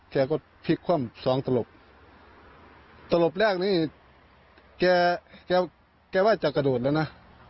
แกก็พลิกคว่ำสองตลบตลบแรกนี่แกแกว่าจะกระโดดแล้วนะ